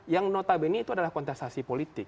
yang notabene itu adalah kontestasi politik